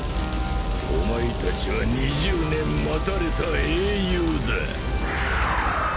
お前たちは２０年待たれた英雄だ。